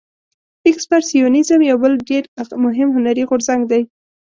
اکسپرسیونیزم یو بل ډیر مهم هنري غورځنګ دی.